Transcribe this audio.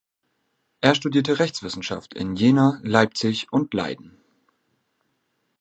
Er studierte Rechtswissenschaft in Jena, Leipzig, und Leiden.